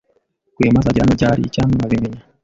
"Rwema azagera hano ryari?" "Icyampa nkabimenya."